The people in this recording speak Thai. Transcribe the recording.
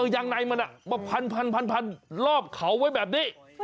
ยางในมันมาพันรอบเขาไว้แบบนี้